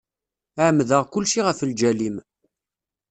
Ԑemmdeɣ kulci ɣef lǧal-im.